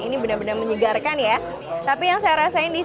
sinianh jahe lebaran kidung nabi